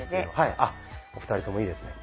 お二人ともいいですね。